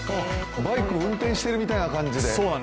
バイク運転しているみたいな感じで。